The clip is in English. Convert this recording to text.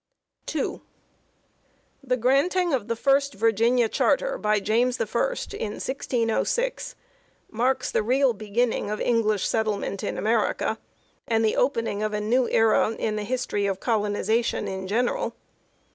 2. The granting of the first Virginia Charter by James I in 1606 marks the real beginning of English settlement in America and the opening of a new era in the history of colonization in general.